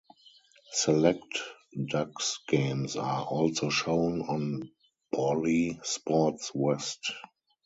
Select Ducks games are also shown on Bally Sports West.